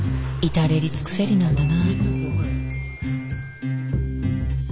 至れり尽くせりなんだな。